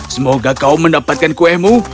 semoga kau mendapatkan kuemu